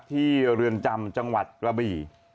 เรือนจำจังหวัดกระบี่